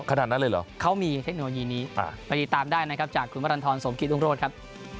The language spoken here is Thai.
ขนาดนั้นเลยเหรอเขามีเทคโนโลยีนี้ไปติดตามได้นะครับจากคุณวรรณฑรสมกิตรุงโรธครับ